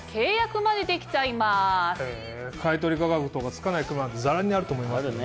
買い取り価格とか付かない車ざらにあると思いますけどね。